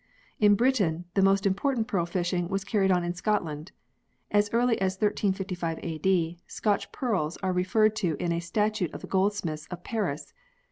" In Britain the most important pearl fishing was carried on in Scotland. As early as 1355 A.D. Scotch pearls are referred to in a Statute of the goldsmiths of Paris.